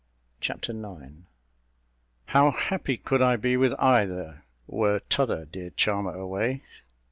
Chapter IX How happy could I be with either, Were t'other dear charmer away!